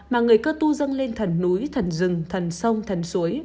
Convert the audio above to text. mà người cơ tu dâng lên thần núi thần rừng thần sông thần suối